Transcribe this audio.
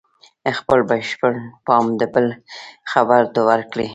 خپل بشپړ پام د بل خبرو ته ورکړئ.